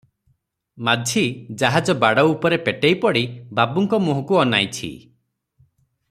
ମାଝି ଜାହାଜ ବାଡ଼ ଉପରେ ପେଟେଇ ପଡ଼ି ବାବୁଙ୍କ ମୁହଁକୁ ଅନାଇଛି ।